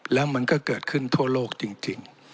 แล้วมันก็เกิดขึ้นทั่วโลกจริง